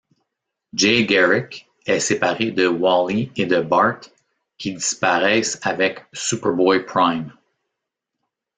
Jay Garrick est séparé de Wally et de Bart qui disparaissent avec Superboy-Prime.